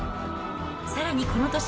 さらにこの年、